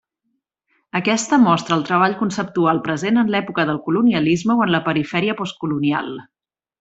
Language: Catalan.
Aquesta mostra el treball conceptual present en l’època del colonialisme o en la perifèria postcolonial.